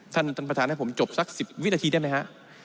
ท่านประธานให้ผมจบสัก๑๐วินาทีได้ไหมฮะ